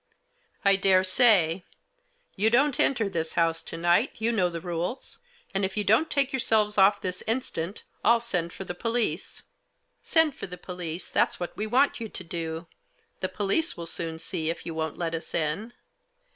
" I daresay ! You don't enter this house to night ; you know the rules. And if you don't take yourselves off this instant I'll send for the police." " Send for the police, that's what we want you to do. The police will soon see if you won't let us in."